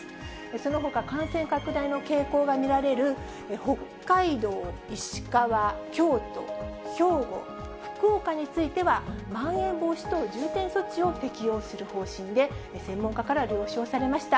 そのほか、感染拡大の傾向が見られる北海道、石川、京都、兵庫、福岡については、まん延防止等重点措置を適用する方針で、専門家から了承されました。